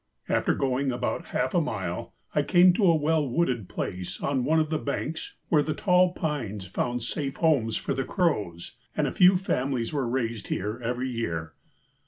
After going about half a mile, I came to a well wooded place on one of the banks where the tall pines found safe homes for the crows, and a few families were raised here every year.